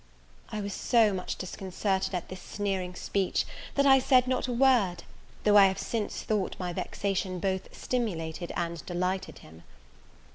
I was so much disconcerted at this sneering speech, that I said not a word; though I have since thought my vexation both stimulated and delighted him.